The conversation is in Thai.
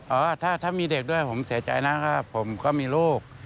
เออถ้ามีเด็กด้วยผมเสียใจนะก็ผมก็มีลูก